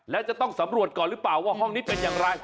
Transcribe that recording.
และจะต้องสำรวจก่อนหรือเปล่าว่าห้องนี้เป็นอย่างไร